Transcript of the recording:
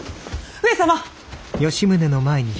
上様！